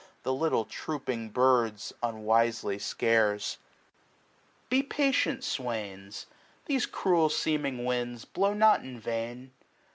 The little trooping birds unwisely scares. 135 Be patient, swains ; these cruel seeming winds Blow not in vain.